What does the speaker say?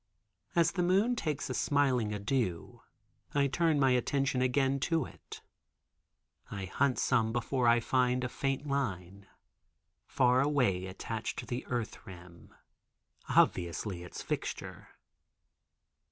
As the moon takes a smiling adieu I turn my attention again to it. I hunt some before I find a faint line, far away attached to the earth rim, obviously its fixture.